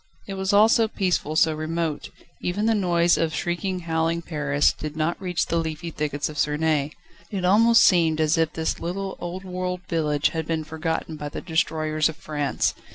It was all so peaceful, so remote: even the noise of shrieking, howling Paris did not reach the leafy thickets of Suresnes. It almost seemed as if this little old world village had been forgotten by the destroyers of France.